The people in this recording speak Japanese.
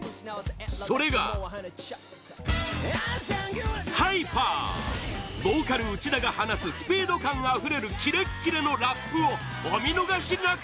それが、「Ｈｙｐｅｒ」ボーカル内田が放つスピード感あふれるキレッキレのラップをお見逃しなく！